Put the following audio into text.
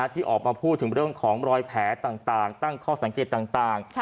ที่ออกมาพูดถึงเรื่องของรอยแผลต่างตั้งข้อสังเกตต่าง